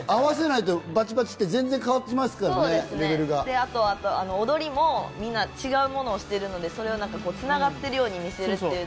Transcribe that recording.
あと踊りもみんな違うものをしてるのでそれをつながってるように見せるっていうのも。